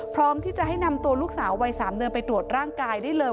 พร้อมที่จะให้นำตัวลูกสาววัย๓เดือนไปตรวจร่างกายได้เลย